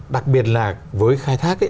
đặc biệt là với khai thác